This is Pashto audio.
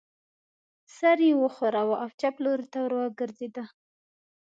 سر یې و ښوراوه او چپ لوري ته ور وګرځېد.